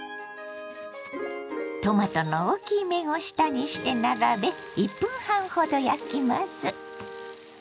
トマトの大きい面を下にして並べ１分半ほど焼きます。